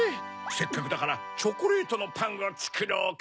せっかくだからチョコレートのパンをつくろうか。